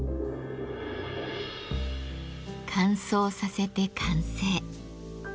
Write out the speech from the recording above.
乾燥させて完成。